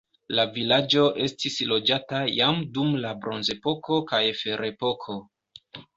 La vilaĝo estis loĝata jam dum la bronzepoko kaj ferepoko.